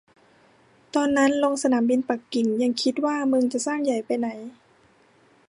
ตอนนั้นลงสนามบินปักกิ่งยังคิดว่า มึงจะสร้างใหญ่ไปไหน